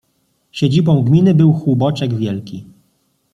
Siedzibą gminy był Hłuboczek Wielki.